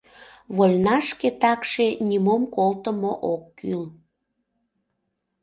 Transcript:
Вольнашке такше нимом колтымо ок кӱл...